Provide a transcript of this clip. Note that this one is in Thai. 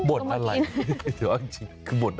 บทอะไรคือบทอะไร